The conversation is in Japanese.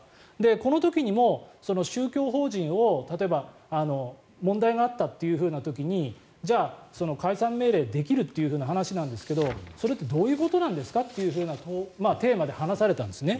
この時にも宗教法人を例えば問題があったという時にじゃあ、解散命令できるという話なんですけどそれってどういうことなんですか？というテーマで話されたんですね。